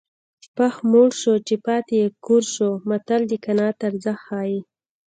پښ موړ شو چې پاته یې کور شو متل د قناعت ارزښت ښيي